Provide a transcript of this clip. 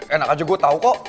enak aja gue tau kok